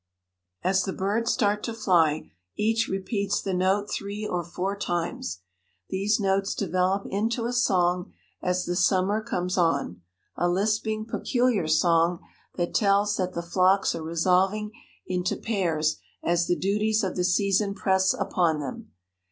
As the birds start to fly, each repeats the note three or four times. These notes develop into a song as the summer comes on; a lisping, peculiar song that tells that the flocks are resolving into pairs as the duties of the season press upon them."